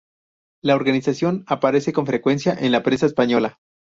La organización aparece con frecuencia en la prensa española.